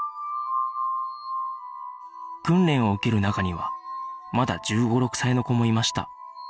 訓練を受ける中にはまだ１５１６歳の子もいました